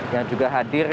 yang juga hadir